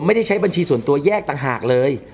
ใช้บัญชีส่วนตัวแยกต่างหากเลย